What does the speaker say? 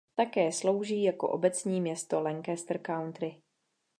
Také slouží jako obecní město Lancaster County.